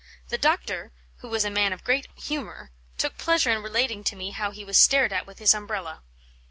The doctor, who was a man of great humour, took pleasure in relating to me how he was stared at with his Umbrella."